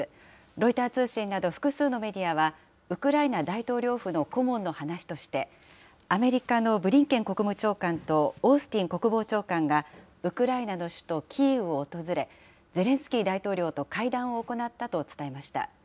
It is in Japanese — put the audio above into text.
ロイター通信など複数のメディアは、ウクライナ大統領府の顧問の話として、アメリカのブリンケン国務長官とオースティン国防長官が、ウクライナの首都キーウを訪れ、ゼレンスキー大統領と会談を行ったと伝えました。